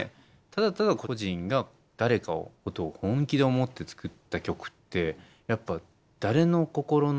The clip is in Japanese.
ただただ個人が誰かのことを本気で思って作った曲ってやっぱ誰の心の何ていうのかなこれ。